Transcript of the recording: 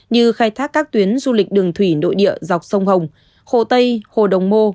như khai thác các tuyến du lịch đường thủy nội địa dọc sông hồng hồ tây hồ đồng mô